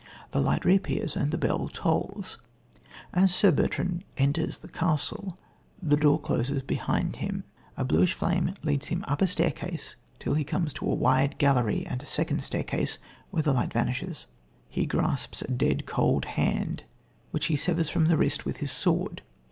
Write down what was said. The light reappears and the bell tolls. As Sir Bertrand enters the castle, the door closes behind him. A bluish flame leads him up a staircase till he comes to a wide gallery and a second staircase, where the light vanishes. He grasps a dead cold hand which he severs from the wrist with his sword.